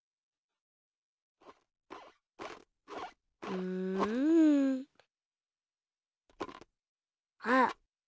うん。あっ！